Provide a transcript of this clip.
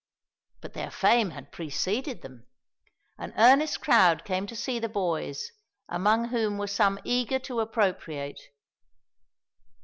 But their fame had preceded them. An earnest crowd came to see the boys, among whom were some eager to appropriate.